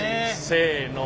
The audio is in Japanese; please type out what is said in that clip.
せの。